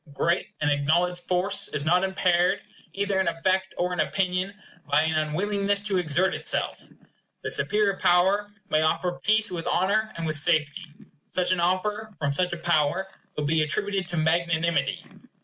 Great and acknowledged force is not impaired, either in effect or in opinion, by an unwillingness to exert itself. The superior power may offer peace with honor and with safety. Such an offer from such a power will be attributed to magnanimity.